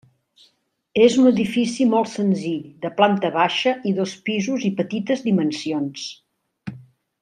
És un edifici molt senzill de planta baixa i dos pisos i petites dimensions.